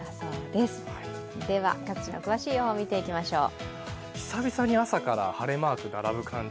では各地の詳しい予報を見ていきましょう。